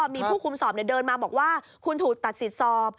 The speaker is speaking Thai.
มีผู้คุมสอบเดินมาบอกว่าคุณถูกตัดสิทธิ์สอบ